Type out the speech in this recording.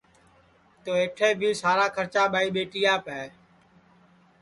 تو اَیٹھے بھی سارا کھرچا ٻائی ٻیٹیاپ ہے